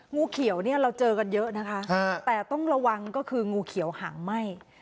งูเขียวเนี่ยเราเจอกันเยอะนะคะแต่ต้องระวังก็คืองูเขียวหางไหม้